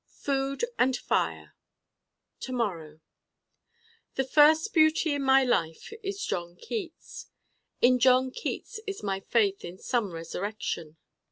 Food and fire To morrow The first beauty in my life is John Keats. In John Keats is my faith in some resurrection.